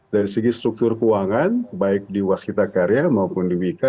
dari segi struktur keuangan baik di waskita karya maupun di wika